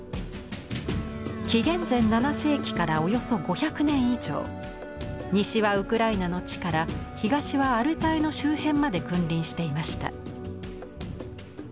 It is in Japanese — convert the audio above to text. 紀元前７世紀からおよそ５００年以上西はウクライナの地から東はアルタイの周辺まで君臨していました。